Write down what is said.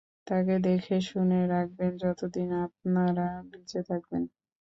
তাকে দেখেশুনে রাখবেন, যতদিন আপনারা বেঁচে থাকবেন?